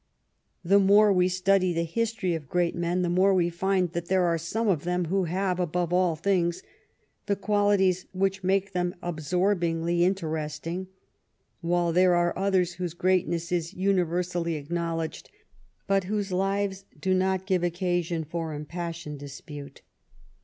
The more we study the history of great men the more we find that there are some of them who have, above all things, the qualities whicR make them absorbingly interesting, while there are others whose greatness is universally acknowledged, but whose lives do not give occasion for impassioned dispute.